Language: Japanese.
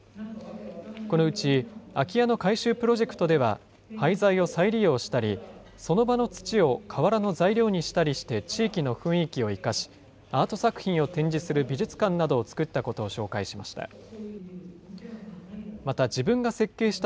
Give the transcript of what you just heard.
このうち、空き家の改修プロジェクトでは、廃材を再利用したり、その場の土を瓦の材料にしたりして地域の雰囲気を生かし、アート作品を展示する美術館などを造ったことを紹介しました。